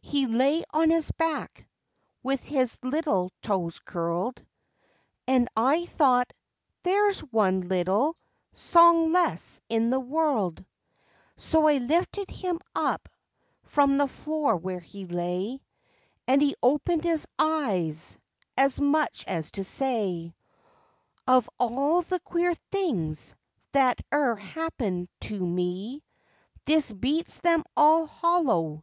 He lay on his back With his little toes curled, And I thought, "there's one little Song less in the world," So I lifted him up from The floor where he lay, And he opened his eyes As much as to say, "Of all the queer things That e'er happened to me This beats them "all hollow."